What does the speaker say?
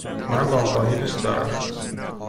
من باغبانی دوست دارم.